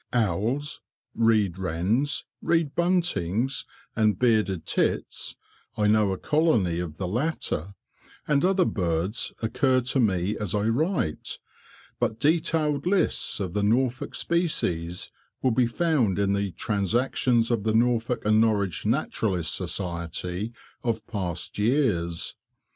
Owls, reed wrens, reed buntings, and bearded tits (I know a colony of the latter), and other birds occur to me as I write, but detailed lists of the Norfolk species will be found in the "Transactions of the Norfolk and Norwich Naturalists' Society" of past years.